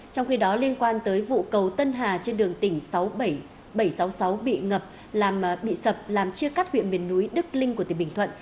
trong khi đó liên quan tới vụ cầu tân hà trên đường tỉnh sáu bảy trăm sáu mươi sáu bị ngập làm bị sập làm chia cắt huyện miền núi đức linh của tỉnh bình thuận